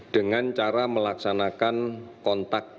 dengan cara melaksanakan kontak